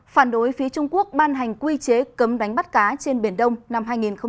phản đối phía trung quốc ban hành quy chế cấm đánh bắt cá trên biển đông năm hai nghìn hai mươi